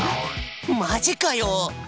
マジかよ！